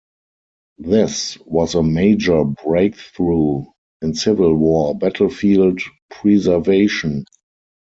This was a major breakthrough in Civil War battlefield preservation.